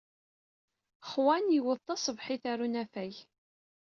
Juan yuweḍ taṣebḥit ɣer unafag.